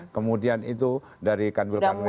kemudian itu dari kanwil kanwil